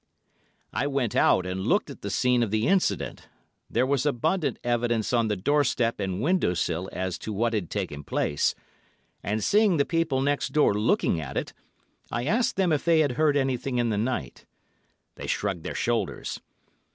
I went out and looked at the scene of the incident. There was abundant evidence on the doorstep and window sill as to what had taken place, and seeing the people next door looking at it, I asked them if they had heard anything in the night. They shrugged their shoulders.